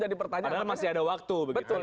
jadi pertanyaan padahal masih ada waktu